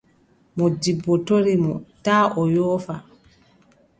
Moodibbo tori mo taa o yoofa.